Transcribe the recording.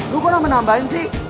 lu kok gak menambahin sih